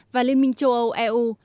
và liên minh châu âu eu